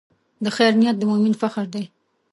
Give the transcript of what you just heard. د خیر نیت د مؤمن فخر دی.